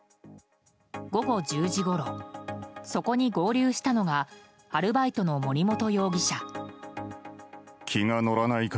午後１０時ごろそこに合流したのがアルバイトの森本容疑者。